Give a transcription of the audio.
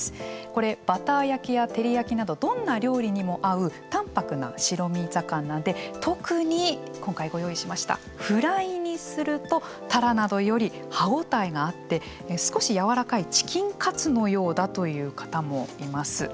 これバター焼きや照り焼きなどどんな料理にも合う淡泊な白身魚で特に今回ご用意しましたフライにするとタラなどより歯応えがあって少しやわらかいチキンカツのようだと言う方もいます。